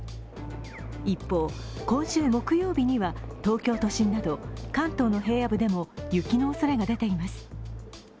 一方、今週木曜日には東京都心など関東の平野部でも雪のおそれが出ています。